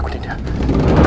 aku akan menang